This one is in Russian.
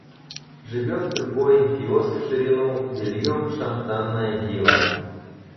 Живет с другой — киоск в ширину, бельем — шантанная дива.